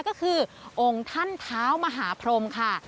ก็คือองค์ท่านเท้ามหาพรมค่ะ